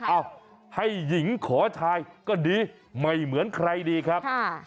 เอ้าให้หญิงขอชายก็ดีไม่เหมือนใครดีครับ